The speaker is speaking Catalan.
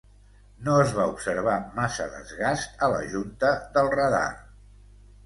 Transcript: No es va observar massa desgast a la junta del radar.